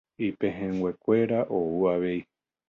Ipehẽnguekuéra ou avei